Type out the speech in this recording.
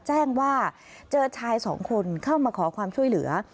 แจ้งว่าเจอชายสองคนเข้ามาขอความช่วยเหลือ